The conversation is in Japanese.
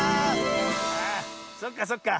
ああそっかそっか。